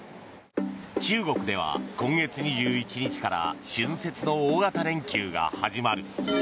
中国では今月２１日から春節の大型連休が始まる。